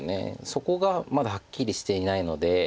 そこがまだはっきりしていないので。